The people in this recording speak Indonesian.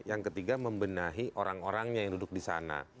yang ketiga membenahi orang orangnya yang duduk di sana